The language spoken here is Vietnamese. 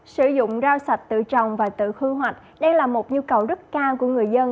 sử dụng rau sạch tự trồng và tự hư hoạch đây là một nhu cầu rất cao của người dân